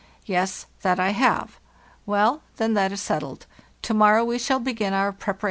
'Yes, that I have. ' Well, then, that is settled. To morrow we shall begin our preparations for the trip.